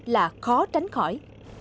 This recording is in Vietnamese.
là khó tránh khỏi